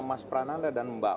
mas prananda dan mbak puan